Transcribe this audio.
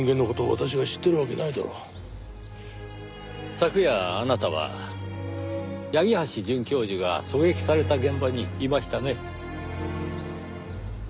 昨夜あなたは八木橋准教授が狙撃された現場にいましたね。